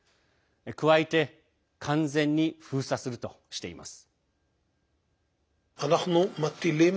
加えて完全に封鎖するとしています。